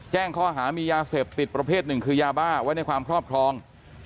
แจ้งข้อหามียาเสพติดประเภทหนึ่งคือยาบ้าไว้ในความครอบครอง